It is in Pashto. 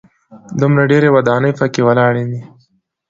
دومره ډېرې ودانۍ په کې ولاړې دي.